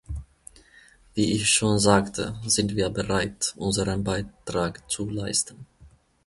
Wie ich schon sagte, sind wir bereit, unseren Beitrag zu leisten.